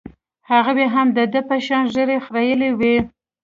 هغوى هم د ده په شان ږيرې خرييلې وې.